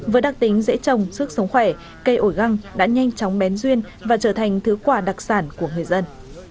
với đặc tính dễ trồng sức sống khỏe cây ổi găng đã nhanh chóng bén duyên và trở thành thứ quả đặc sản của người dân